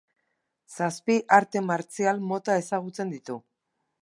Zazpi arte martzial mota ezagutzen ditu.